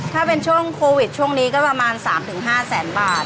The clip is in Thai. ถ้าเป็นช่วงโควิดช่วงนี้ก็ประมาณ๓๕แสนบาท